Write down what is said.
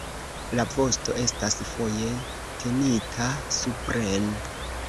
La vosto estas foje tenita supren.